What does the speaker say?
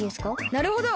なるほど！